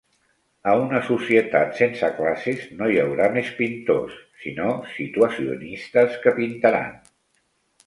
A una societat sense classes no hi haurà més pintors, sinó situacionistes que pintaran.